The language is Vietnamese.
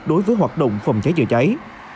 đối với hoạt động phòng cháy chữa cháy